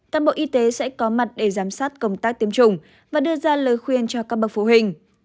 các bộ y tế sẽ có mặt để giám sát công tác tiêm chủng và đưa ra lời khuyên cho các bậc phụ huynh